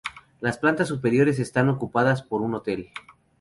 Las plantas superiores están ocupadas por un hotel.